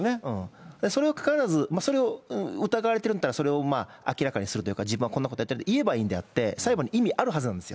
それにもかかわらず、それを疑われているんだったら、それを明らかにするというか、自分はこんなことと言えばいいのに、最後にあったはずなんですよ。